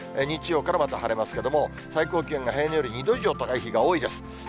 日曜からまた晴れますけれども、最高気温が平年より２度以上高い日が多いです。